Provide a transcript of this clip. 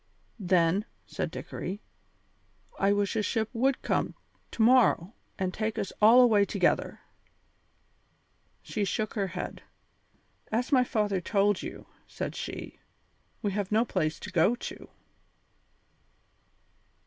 "Then," said Dickory, "I wish a ship would come to morrow and take us all away together." She shook her head. "As my father told you," said she, "we have no place to go to."